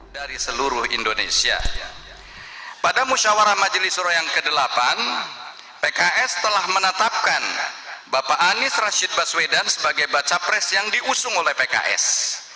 dari seluruh indonesia pada musyawarah majelis suro yang ke delapan pks telah menetapkan bapak anies rashid baswedan sebagai baca pres yang diusung oleh pks